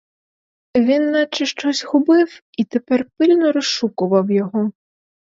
Він наче щось згубив і тепер пильно розшукував його.